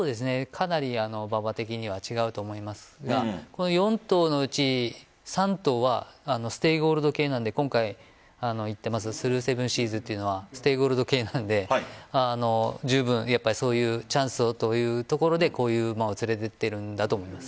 かなり馬場的には違うと思いますがこの４頭のうち３頭はステイゴールド系なので今回行っているスルーセブンシーズはステイゴールド系なのでじゅうぶんチャンスをというところでこういう馬を連れていっていると思います。